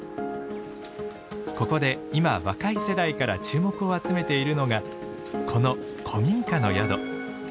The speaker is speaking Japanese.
ここで今若い世代から注目を集めているのがこの古民家の宿。